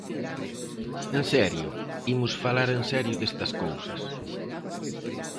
En serio, imos falar en serio destas cousas.